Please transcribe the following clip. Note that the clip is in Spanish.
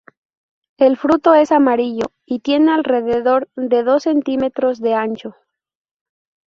El fruto es amarillo y tiene alrededor de dos centímetros de ancho.